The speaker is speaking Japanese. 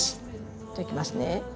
じゃあいきますね。